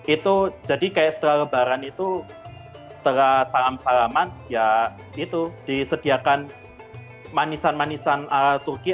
itu jadi kayak setelah lebaran itu setelah salam salaman ya itu disediakan manisan manisan ala turki